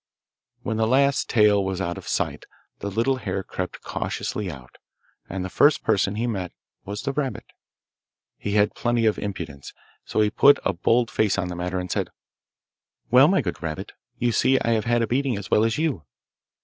When the last tail was out of sight the little hare crept cautiously out, and the first person he met was the rabbit. He had plenty of impudence, so he put a bold face on the matter, and said, 'Well, my good rabbit, you see I have had a beating as well as you.